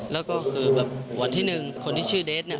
แล้วก็คือแบบวันที่๑คนที่ชื่อเดสเนี่ย